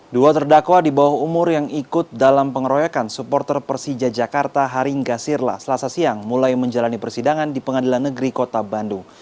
dua terdakwa di bawah umur yang ikut dalam pengeroyokan supporter persija jakarta haringga sirla selasa siang mulai menjalani persidangan di pengadilan negeri kota bandung